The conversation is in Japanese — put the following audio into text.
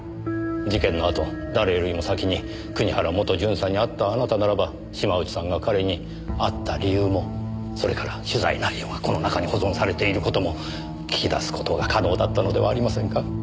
事件のあと誰よりも先に国原元巡査に会ったあなたならば島内さんが彼に会った理由もそれから取材内容がこの中に保存されている事も聞き出す事が可能だったのではありませんか？